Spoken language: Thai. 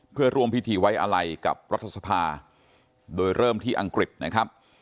เพื่อร่วมพิธีไว้อะไรกับรัฐสภาโดยเริ่มที่อังกฤษนะครับ